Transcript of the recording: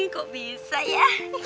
kok bisa ya